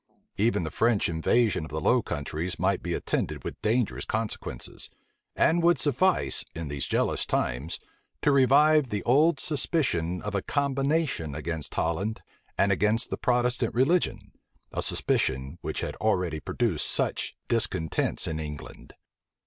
Even the French invasion of the Low Countries might be attended with dangerous consequences; and would suffice, in these jealous times, to revive the old suspicion of a combination against Holland, and against the Protestant religion, a suspicion which had already produced such discontents in England.